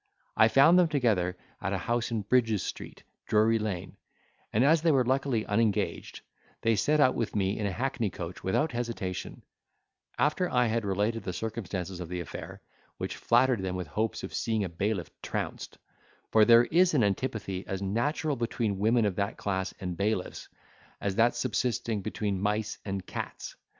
I found them together at a house in Brydges Street, Drury Lane, and as they were luckily unengaged, they set out with me in a hackney coach without hesitation, after I had related the circumstances of the affair, which flattered them with the hopes of seeing a bailiff trounced; for there is an antipathy as natural between women of that class and bailiffs, as that subsisting between mice and cats.